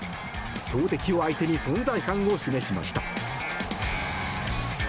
強敵を相手に存在感を示しました。